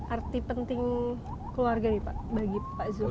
arti penting keluarga nih pak bagi pak zul